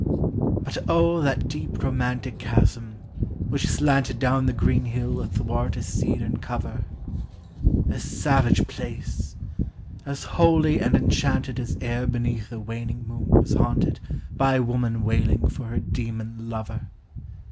But O that deep romantic chasm, which slanted Down the green hill athwart a cedarn cover ! A savage place ! as holy and enchanted As e'er beneath a waning moon was haunted By woman wailing for her demon lover !